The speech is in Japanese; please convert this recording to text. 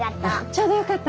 ちょうどよかった。